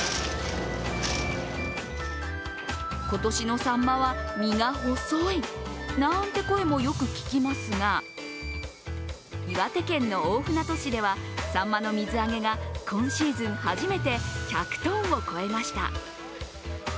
今年のサンマは身が細いなんて声もよく聞きますが岩手県の大船渡市ではサンマの水揚げが今シーズン初めて１００ｔを超えました。